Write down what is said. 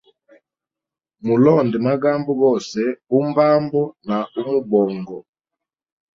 Mulonde magambo gose, umbambo na umubongo.